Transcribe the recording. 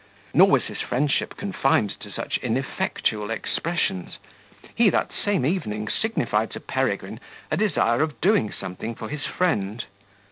Nor was his friendship confined to such ineffectual expressions; he that same evening signified to Peregrine a desire of doing something for his friend.